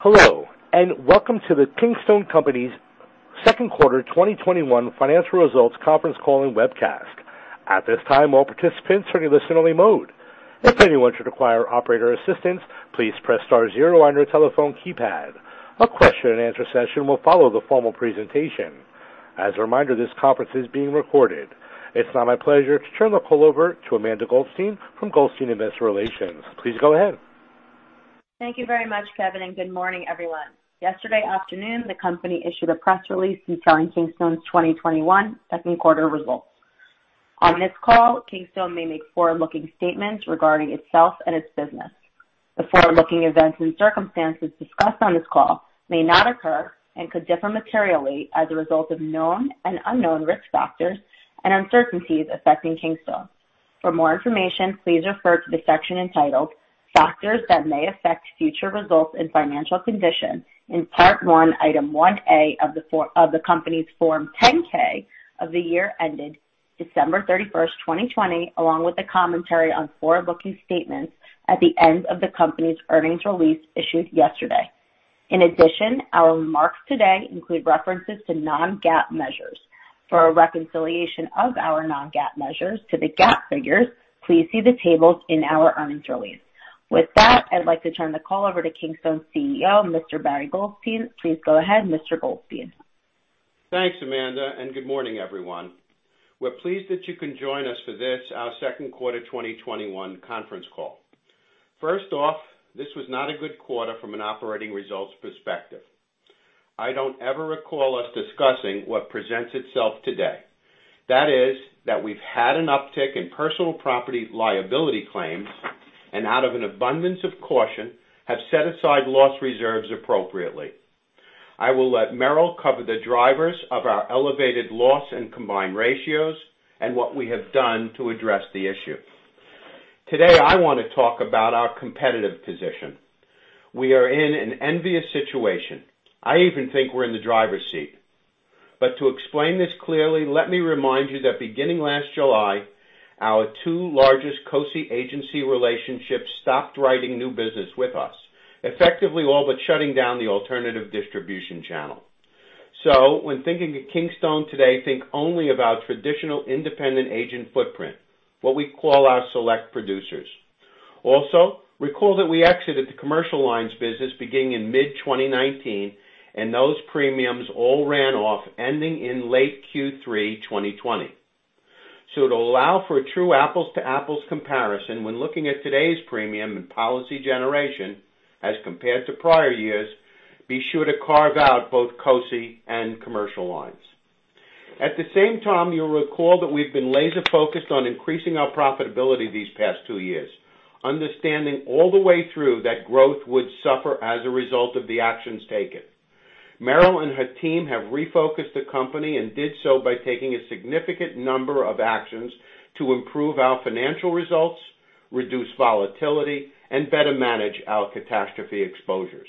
Hello, and welcome to the Kingstone Companies' second quarter 2021 financial results conference call and webcast. At this time, all participants are in a listen-only mode. If anyone should require operator assistance, please press star zero on your telephone keypad. A question and answer session will follow the formal presentation. As a reminder, this conference is being recorded. It's now my pleasure to turn the call over to Amanda Goldstein from Goldstein Investor Relations. Please go ahead. Thank you very much, Kevin. Good morning, everyone. Yesterday afternoon, the company issued a press release detailing Kingstone's 2021 second quarter results. On this call, Kingstone may make forward-looking statements regarding itself and its business. The forward-looking events and circumstances discussed on this call may not occur and could differ materially as a result of known and unknown risk factors and uncertainties affecting Kingstone. For more information, please refer to the section entitled Factors that may affect future results and financial condition in Part 1, Item 1A of the company's Form 10-K of the year ended December 31st, 2020, along with the commentary on forward-looking statements at the end of the company's earnings release issued yesterday. In addition, our remarks today include references to non-GAAP measures. For a reconciliation of our non-GAAP measures to the GAAP figures, please see the tables in our earnings release. With that, I'd like to turn the call over to Kingstone's CEO, Mr. Barry Goldstein. Please go ahead, Mr. Goldstein. Thanks, Amanda. Good morning, everyone. We're pleased that you can join us for this, our second quarter 2021 conference call. First off, this was not a good quarter from an operating results perspective. I don't ever recall us discussing what presents itself today. That is, that we've had an uptick in personal property liability claims, and out of an abundance of caution, have set aside loss reserves appropriately. I will let Meryl cover the drivers of our elevated loss and combined ratios and what we have done to address the issue. Today, I want to talk about our competitive position. We are in an envious situation. I even think we're in the driver's seat. To explain this clearly, let me remind you that beginning last July, our two largest Cosi Agency relationships stopped writing new business with us, effectively all but shutting down the alternative distribution channel. When thinking of Kingstone today, think only about traditional independent agent footprint, what we call our select producers. Also, recall that we exited the Commercial Lines business beginning in mid-2019, and those premiums all ran off, ending in late Q3 2020. To allow for a true apples-to-apples comparison when looking at today's premium and policy generation as compared to prior years, be sure to carve out both Cosi and Commercial Lines. At the same time, you'll recall that we've been laser-focused on increasing our profitability these past two years, understanding all the way through that growth would suffer as a result of the actions taken. Meryl and her team have refocused the company and did so by taking a significant number of actions to improve our financial results, reduce volatility, and better manage our catastrophe exposures.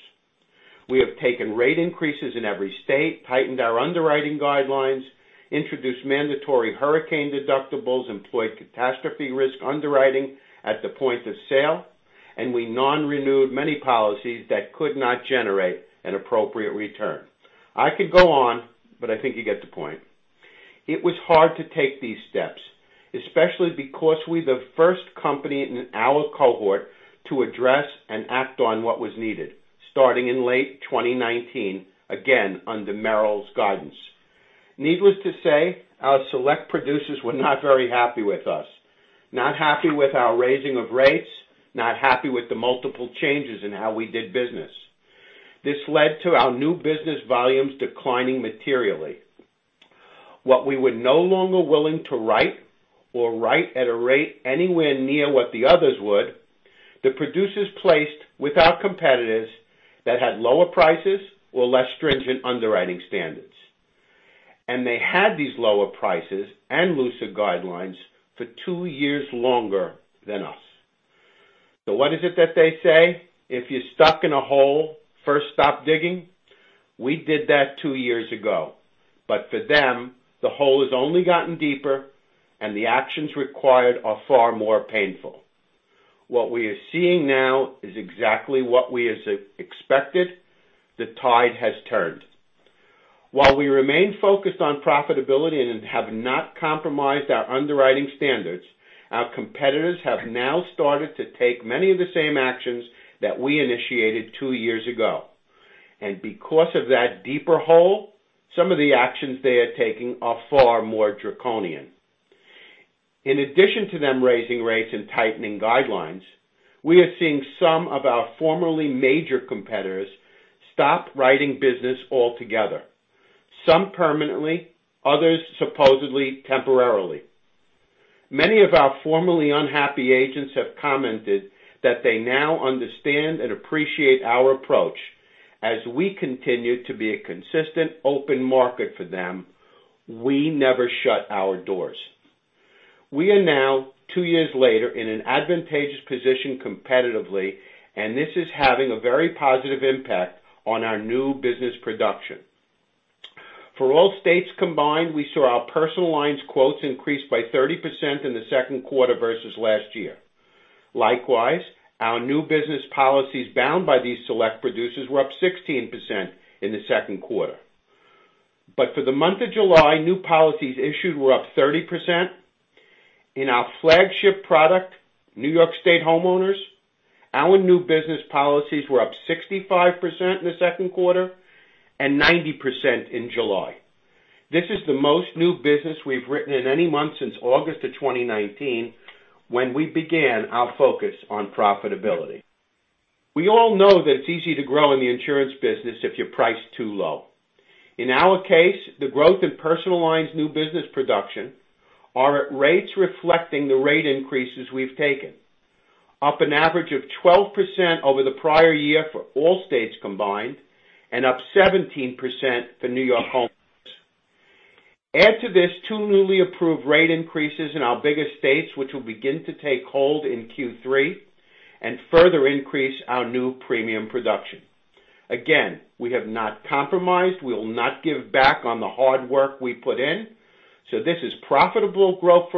We have taken rate increases in every state, tightened our underwriting guidelines, introduced mandatory hurricane deductibles, employed catastrophe risk underwriting at the point of sale, and we non-renewed many policies that could not generate an appropriate return. I could go on, but I think you get the point. It was hard to take these steps, especially because we're the first company in our cohort to address and act on what was needed, starting in late 2019, again, under Meryl's guidance. Needless to say, our select producers were not very happy with us. Not happy with our raising of rates, not happy with the multiple changes in how we did business. This led to our new business volumes declining materially. What we were no longer willing to write or write at a rate anywhere near what the others would, the producers placed with our competitors that had lower prices or less stringent underwriting standards. They had these lower prices and looser guidelines for two years longer than us. What is it that they say? If you're stuck in a hole, first stop digging. We did that two years ago. For them, the hole has only gotten deeper and the actions required are far more painful. What we are seeing now is exactly what we expected. The tide has turned. While we remain focused on profitability and have not compromised our underwriting standards, our competitors have now started to take many of the same actions that we initiated two years ago. Because of that deeper hole, some of the actions they are taking are far more draconian. In addition to them raising rates and tightening guidelines, we are seeing some of our formerly major competitors stop writing business altogether, some permanently, others supposedly temporarily. Many of our formerly unhappy agents have commented that they now understand and appreciate our approach as we continue to be a consistent open market for them. We never shut our doors. We are now, two years later, in an advantageous position competitively, and this is having a very positive impact on our new business production. For all states combined, we saw our personal lines quotes increase by 30% in the second quarter versus last year. Likewise, our new business policies bound by these select producers were up 16% in the second quarter. For the month of July, new policies issued were up 30%. In our flagship product, New York State homeowners, our new business policies were up 65% in the second quarter and 90% in July. This is the most new business we've written in any month since August of 2019 when we began our focus on profitability. We all know that it's easy to grow in the insurance business if you price too low. In our case, the growth in personal lines' new business production are at rates reflecting the rate increases we've taken, up an average of 12% over the prior year for all states combined and up 17% for New York homeowners. Add to this two newly approved rate increases in our biggest states, which will begin to take hold in Q3 and further increase our new premium production. Again, we have not compromised. We will not give back on the hard work we put in. This is profitable growth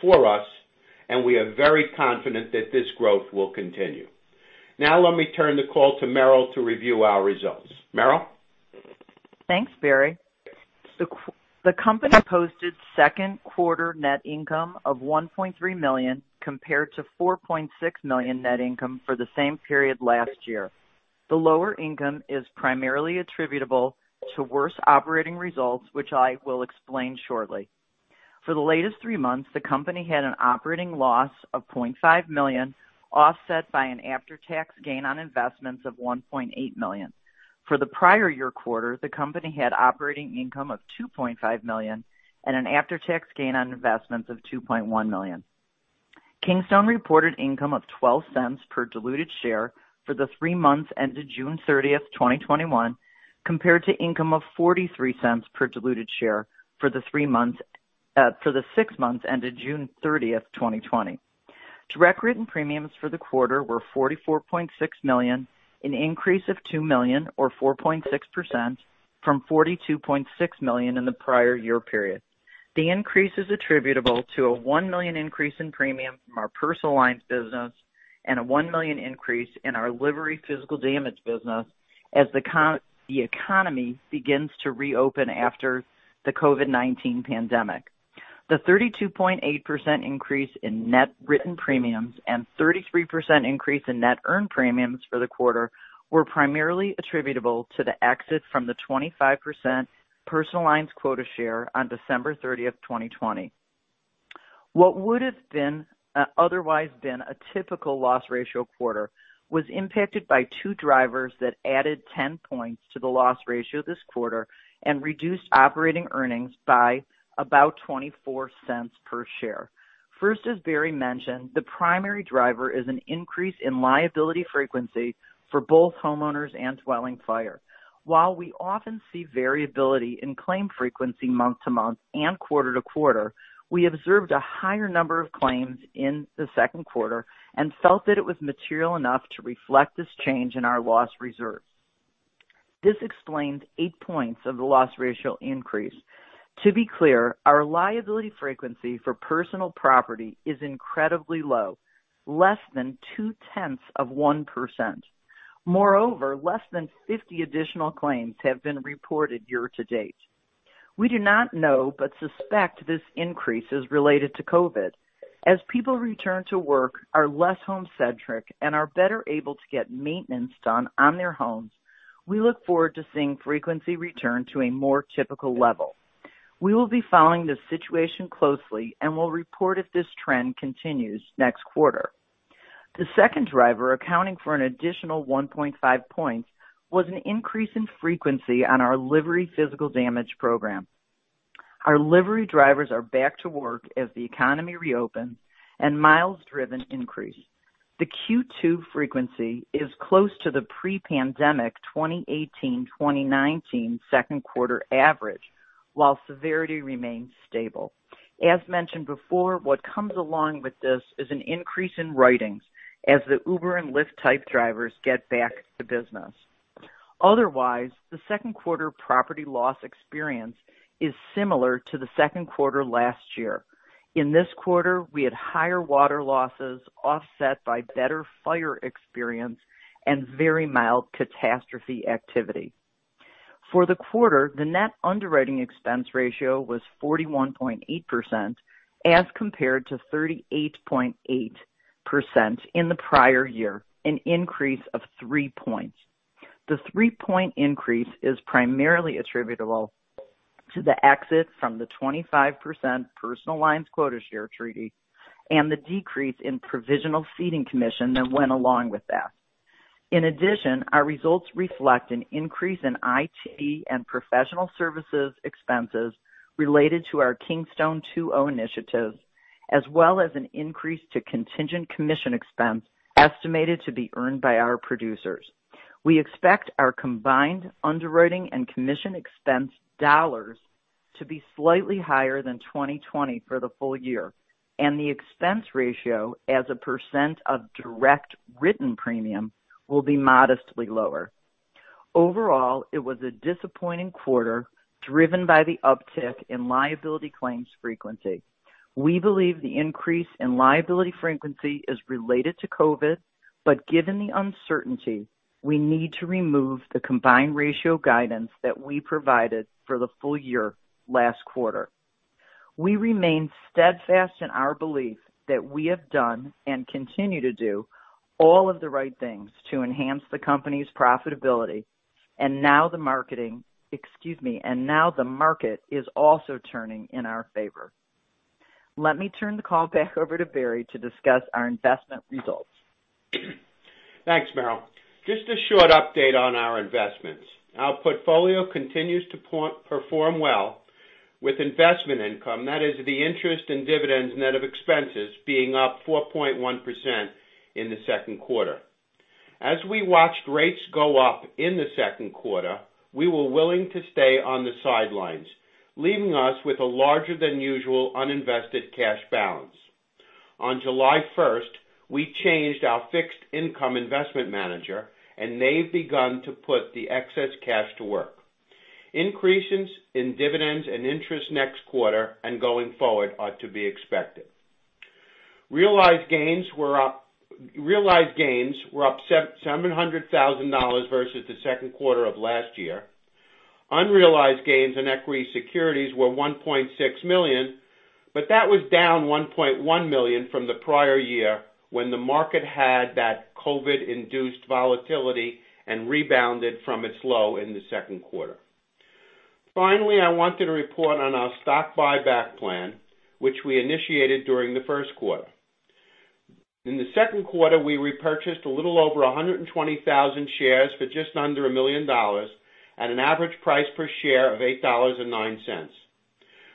for us, and we are very confident that this growth will continue. Now, let me turn the call to Meryl to review our results. Meryl? Thanks, Barry. The company posted second quarter net income of $1.3 million, compared to $4.6 million net income for the same period last year. The lower income is primarily attributable to worse operating results, which I will explain shortly. For the latest three months, the company had an operating loss of $0.5 million, offset by an after-tax gain on investments of $1.8 million. For the prior year quarter, the company had operating income of $2.5 million and an after-tax gain on investments of $2.1 million. Kingstone reported income of $0.12 per diluted share for the three months ended June 30th, 2021, compared to income of $0.43 per diluted share for the 6 months ended June 30th, 2020. Direct written premiums for the quarter were $44.6 million, an increase of $2 million, or 4.6%, from $42.6 million in the prior year period. The increase is attributable to a $1 million increase in premium from our personal lines business and a $1 million increase in our livery physical damage business as the economy begins to reopen after the COVID-19 pandemic. The 32.8% increase in net written premiums and 33% increase in net earned premiums for the quarter were primarily attributable to the exit from the 25% personal lines quota share on December 30th, 2020. What would have otherwise been a typical loss ratio quarter was impacted by two drivers that added 10 points to the loss ratio this quarter and reduced operating earnings by about $0.24 per share. First, as Barry mentioned, the primary driver is an increase in liability frequency for both homeowners and dwelling fire. While we often see variability in claim frequency month to month and quarter to quarter, we observed a higher number of claims in the second quarter and felt that it was material enough to reflect this change in our loss reserve. This explains 8 points of the loss ratio increase. To be clear, our liability frequency for personal lines is incredibly low, less than 0.2%. Moreover, less than 50 additional claims have been reported year to date. We do not know but suspect this increase is related to COVID-19. As people return to work, are less home-centric, and are better able to get maintenance done on their homes, we look forward to seeing frequency return to a more typical level. We will be following this situation closely and will report if this trend continues next quarter. The second driver, accounting for an additional 1.5 points, was an increase in frequency on our livery physical damage program. Our livery drivers are back to work as the economy reopens and miles driven increase. The Q2 frequency is close to the pre-pandemic 2018-2019 second quarter average, while severity remains stable. As mentioned before, what comes along with this is an increase in writings as the Uber and Lyft-type drivers get back to business. Otherwise, the second quarter property loss experience is similar to the second quarter last year. In this quarter, we had higher water losses offset by better fire experience and very mild catastrophe activity. For the quarter, the net underwriting expense ratio was 41.8% as compared to 38.8% in the prior year, an increase of 3 points. The three-point increase is primarily attributable to the exit from the 25% personal lines quota share treaty and the decrease in provisional ceding commission that went along with that. In addition, our results reflect an increase in IT and professional services expenses related to our Kingstone 2.0 initiatives, as well as an increase to contingent commission expense estimated to be earned by our producers. We expect our combined underwriting and commission expense dollars to be slightly higher than 2020 for the full year, and the expense ratio as a percent of direct written premium will be modestly lower. Overall, it was a disappointing quarter driven by the uptick in liability claims frequency. We believe the increase in liability frequency is related to COVID, but given the uncertainty, we need to remove the combined ratio guidance that we provided for the full year last quarter. We remain steadfast in our belief that we have done and continue to do all of the right things to enhance the company's profitability. Excuse me, and now the market is also turning in our favor. Let me turn the call back over to Barry to discuss our investment results. Thanks, Meryl. Just a short update on our investments. Our portfolio continues to perform well with investment income, that is the interest and dividends net of expenses, being up 4.1% in the second quarter. As we watched rates go up in the second quarter, we were willing to stay on the sidelines, leaving us with a larger than usual uninvested cash balance. On July 1st, we changed our fixed income investment manager and they've begun to put the excess cash to work. Increases in dividends and interest next quarter and going forward are to be expected. Realized gains were up $700,000 versus the second quarter of last year. Unrealized gains in equity securities were $1.6 million, but that was down $1.1 million from the prior year when the market had that COVID-induced volatility and rebounded from its low in the second quarter. Finally, I wanted to report on our stock buyback plan, which we initiated during the first quarter. In the second quarter, we repurchased a little over 120,000 shares for just under $1 million at an average price per share of $8.09.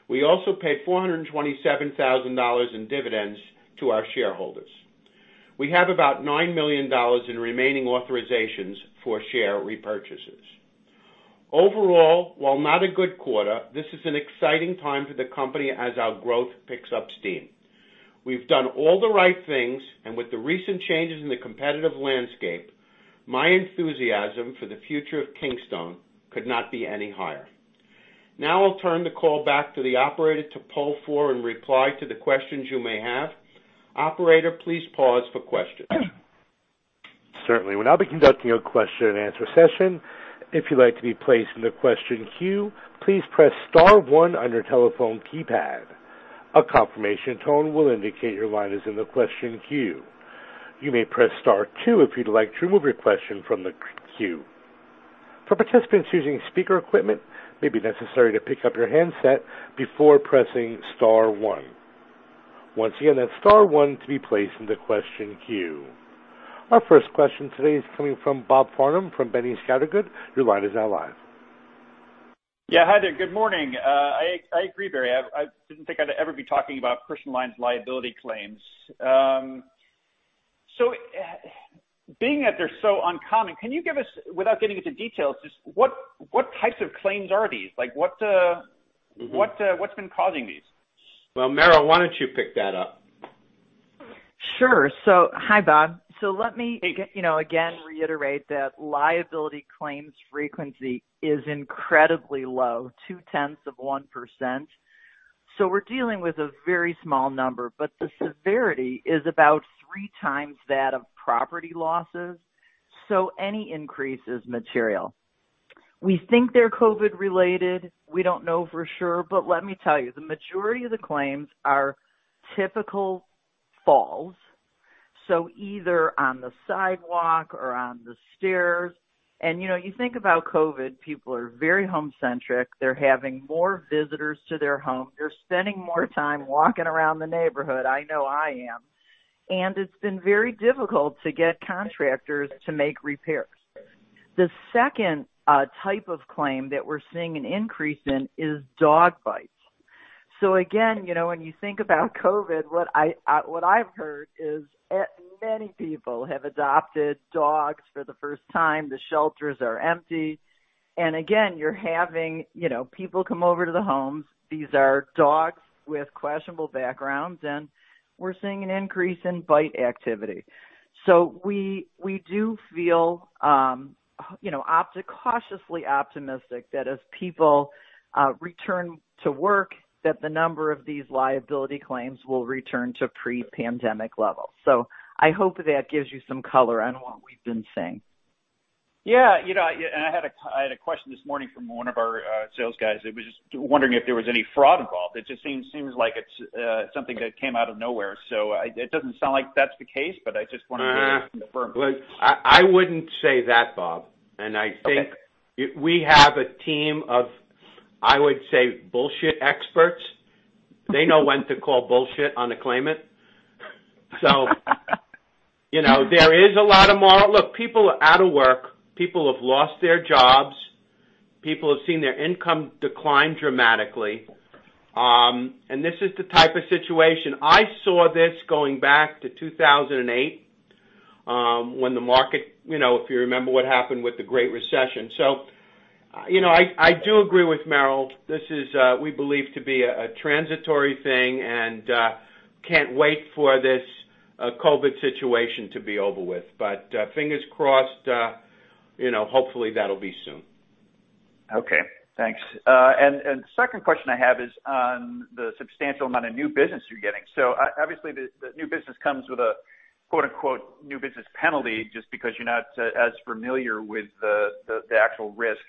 We also paid $427,000 in dividends to our shareholders. We have about $9 million in remaining authorizations for share repurchases. Overall, while not a good quarter, this is an exciting time for the company as our growth picks up steam. We've done all the right things, and with the recent changes in the competitive landscape, my enthusiasm for the future of Kingstone could not be any higher. Now I'll turn the call back to the operator to poll for and reply to the questions you may have. Operator, please pause for questions. Certainly. We'll now be conducting a question and answer session. If you'd like to be placed in the question queue, please press star one on your telephone keypad. A confirmation tone will indicate your line is in the question queue. You may press star two if you'd like to remove your question from the queue. For participants using speaker equipment, it may be necessary to pick up your handset before pressing star one. Once again, that's star one to be placed in the question queue. Our first question today is coming from Bob Farnam from Boenning & Scattergood. Your line is now live. Yeah. Hi there. Good morning. I agree, Barry. I didn't think I'd ever be talking about personal lines liability claims. Being that they're so uncommon, can you give us, without getting into details, just what types of claims are these? What's been causing these? Well, Meryl, why don't you pick that up? Sure. Hi, Bob. Hey. Again reiterate that liability claims frequency is incredibly low, 0.2%. We're dealing with a very small number, but the severity is about 3x that of property losses, so any increase is material. We think they're COVID related. We don't know for sure, but let me tell you, the majority of the claims are typical falls, so either on the sidewalk or on the stairs. You think about COVID, people are very home-centric. They're having more visitors to their home. They're spending more time walking around the neighborhood. I know I am. It's been very difficult to get contractors to make repairs. The second type of claim that we're seeing an increase in is dog bites. Again, when you think about COVID, what I've heard is many people have adopted dogs for the first time. The shelters are empty. Again, you're having people come over to the homes. These are dogs with questionable backgrounds, and we're seeing an increase in bite activity. We do feel cautiously optimistic that as people return to work, that the number of these liability claims will return to pre-pandemic levels. I hope that gives you some color on what we've been seeing. Yeah. I had a question this morning from one of our sales guys that was just wondering if there was any fraud involved. It just seems like it is something that came out of nowhere. It doesn't sound like that is the case, but I just wanted to get it from the firm. I wouldn't say that, Bob. Okay. I think we have a team of, I would say, bullshit experts. They know when to call bullshit on a claimant. There is a lot of. Look, people are out of work. People have lost their jobs. People have seen their income decline dramatically. This is the type of situation. I saw this going back to 2008. When the market, if you remember what happened with the Great Recession. I do agree with Meryl. This is, we believe to be a transitory thing, and can't wait for this COVID situation to be over with. Fingers crossed, hopefully that'll be soon. Okay, thanks. Second question I have is on the substantial amount of new business you're getting. Obviously, the new business comes with a quote unquote "new business penalty," just because you're not as familiar with the actual risk.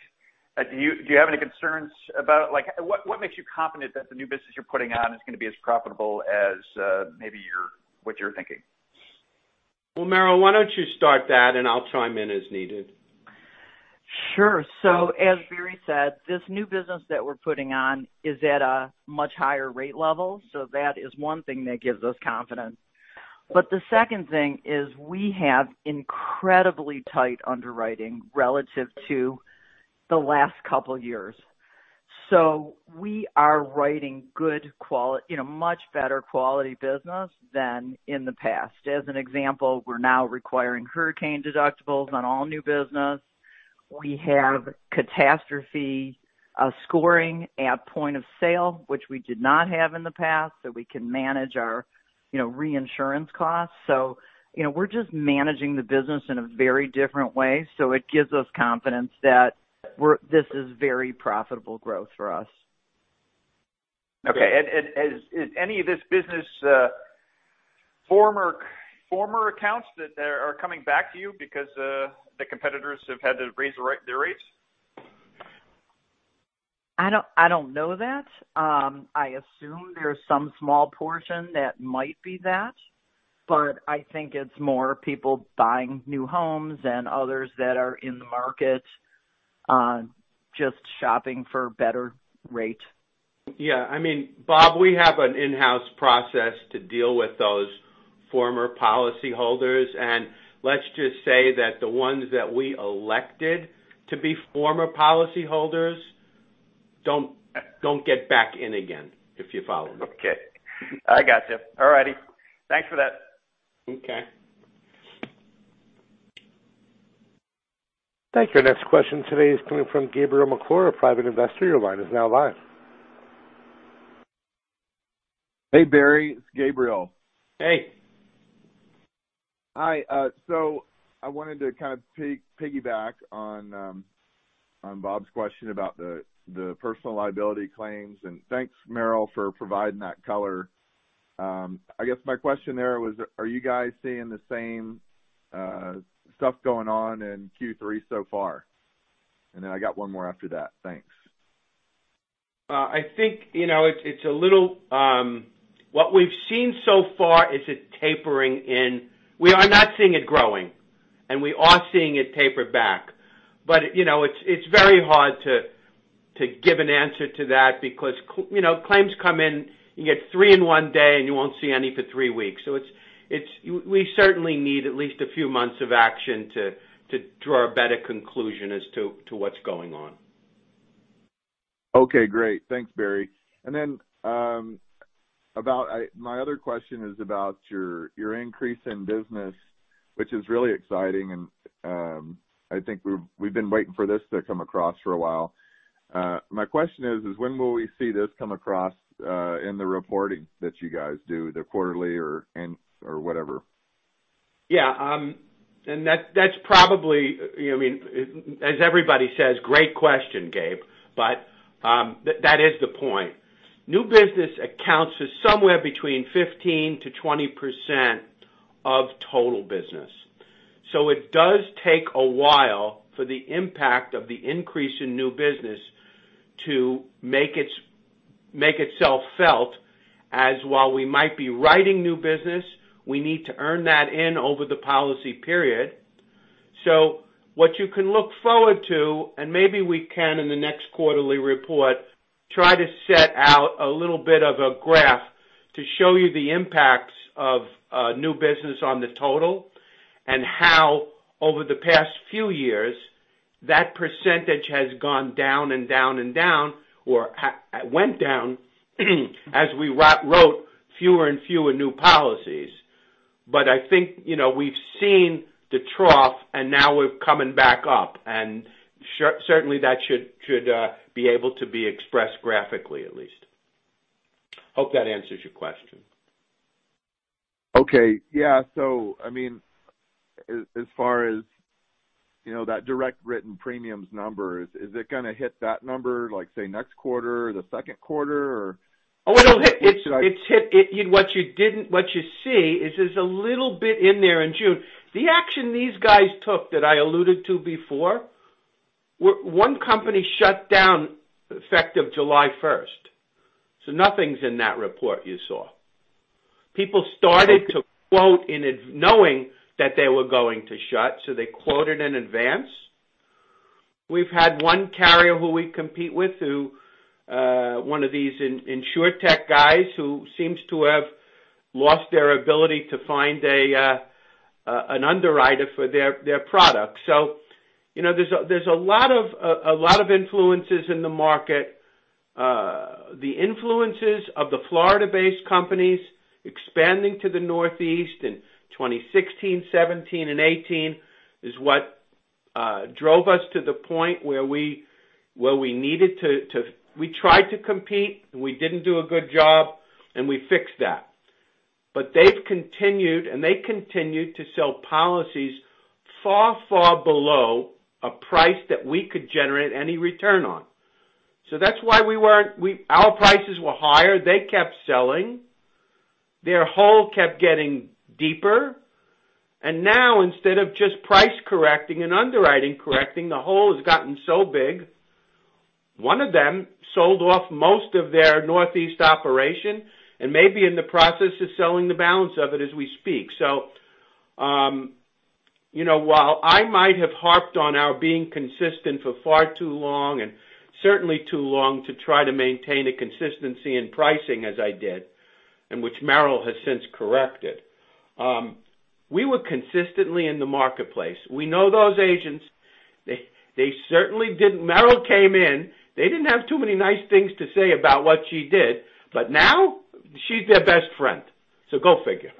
What makes you confident that the new business you're putting on is going to be as profitable as maybe what you're thinking? Well, Meryl, why don't you start that and I'll chime in as needed. Sure. As Barry said, this new business that we're putting on is at a much higher rate level. That is one thing that gives us confidence. The second thing is we have incredibly tight underwriting relative to the last couple of years. We are writing much better quality business than in the past. As an example, we're now requiring hurricane deductibles on all new business. We have catastrophe modeling at point of sale, which we did not have in the past, so we can manage our reinsurance costs. We're just managing the business in a very different way, so it gives us confidence that this is very profitable growth for us. Okay. Is any of this business former accounts that are coming back to you because the competitors have had to raise their rates? I don't know that. I assume there's some small portion that might be that. I think it's more people buying new homes and others that are in the market, just shopping for a better rate. Bob, we have an in-house process to deal with those former policy holders. Let's just say that the ones that we elected to be former policy holders don't get back in again, if you follow me. Okay. I got you. All righty. Thanks for that. Okay. Thank you. Our next question today is coming from Gabriel McClure, a private investor. Your line is now live. Hey, Barry. It's Gabriel. Hey. Hi. I wanted to kind of piggyback on Bob's question about the personal liability claims. Thanks, Meryl, for providing that color. I guess my question there was, are you guys seeing the same stuff going on in Q3 so far? I got one more after that. Thanks. What we've seen so far is it tapering in. We are not seeing it growing, and we are seeing it taper back. It's very hard to give an answer to that because claims come in, you get three in one day, and you won't see any for three weeks. We certainly need at least a few months of action to draw a better conclusion as to what's going on. Okay, great. Thanks, Barry. My other question is about your increase in business, which is really exciting, and I think we've been waiting for this to come across for a while. My question is when will we see this come across in the reporting that you guys do, the quarterly or whatever? Yeah. As everybody says, great question, Gabe. That is the point. New business accounts are somewhere between 15%-20% of total business. It does take a while for the impact of the increase in new business to make itself felt as while we might be writing new business, we need to earn that in over the policy period. What you can look forward to, and maybe we can in the next quarterly report, try to set out a little bit of a graph to show you the impacts of new business on the total, and how over the past few years, that percentage has gone down and down and down, or went down as we wrote fewer and fewer new policies. I think, we've seen the trough, and now we're coming back up, and certainly, that should be able to be expressed graphically, at least. Hope that answers your question. Okay. Yeah. As far as that direct written premiums number, is it going to hit that number, say next quarter or the second quarter, or? Oh, it'll hit. What you see is there's a little bit in there in June. The action these guys took that I alluded to before, one company shut down effective July 1st. Nothing's in that report you saw. People started to quote knowing that they were going to shut, so they quoted in advance. We've had one carrier who we compete with who, one of these insurtech guys who seems to have lost their ability to find an underwriter for their product. There's a lot of influences in the market. The influences of the Florida-based companies expanding to the Northeast in 2016, 2017, and 2018 is what drove us to the point where we needed to compete. We tried to compete, and we didn't do a good job, and we fixed that. They've continued, and they continued to sell policies far below a price that we could generate any return on. That's why our prices were higher. They kept selling. Their hole kept getting deeper. Now instead of just price correcting and underwriting correcting, the hole has gotten so big, one of them sold off most of their Northeast operation and may be in the process of selling the balance of it as we speak. While I might have harped on our being consistent for far too long and certainly too long to try to maintain a consistency in pricing as I did, and which Meryl has since corrected, we were consistently in the marketplace. We know those agents. Meryl came in, they didn't have too many nice things to say about what she did, but now she's their best friend. Go figure.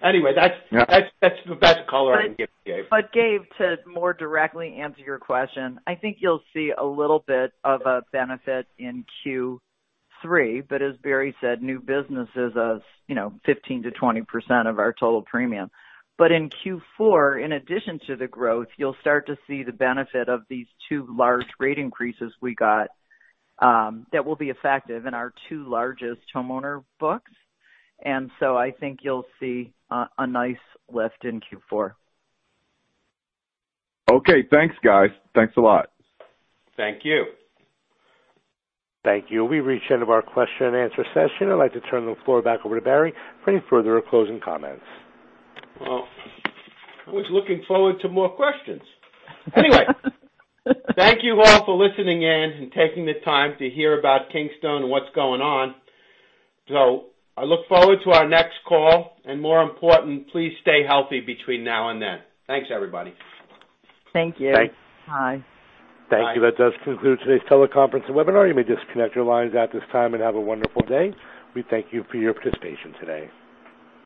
That's the best color I can give you, Gabe. Gabe, to more directly answer your question, I think you'll see a little bit of a benefit in Q3, but as Barry said, new business is 15%-20% of our total premium. In Q4, in addition to the growth, you'll start to see the benefit of these two large rate increases we got that will be effective in our two largest homeowner books. I think you'll see a nice lift in Q4. Okay, thanks, guys. Thanks a lot. Thank you. Thank you. We've reached the end of our question and answer session. I'd like to turn the floor back over to Barry for any further closing comments. Well, I was looking forward to more questions. Thank you all for listening in and taking the time to hear about Kingstone and what's going on. I look forward to our next call, and more important, please stay healthy between now and then. Thanks, everybody. Thank you. Thanks. Bye. Thank you. That does conclude today's teleconference and webinar. You may disconnect your lines at this time and have a wonderful day. We thank you for your participation today.